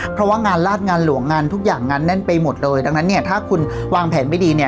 เพราะว่างานราชงานหลวงงานทุกอย่างงานแน่นไปหมดเลยดังนั้นเนี่ยถ้าคุณวางแผนไม่ดีเนี่ย